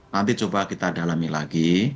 nanti coba kita dalami lagi